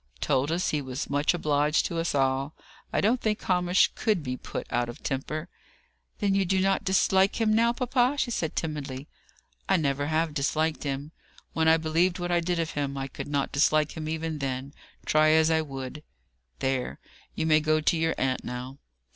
"Told us he was much obliged to us all. I don't think Hamish could be put out of temper." "Then you do not dislike him now, papa?" she said, timidly. "I never have disliked him. When I believed what I did of him, I could not dislike him even then, try as I would. There, you may go to your aunt now."